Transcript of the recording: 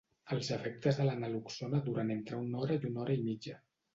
Els efectes de la naloxona duren entre una hora i una hora i mitja.